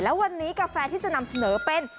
และวันนี้กาแฟที่จะนำเสนอเป็น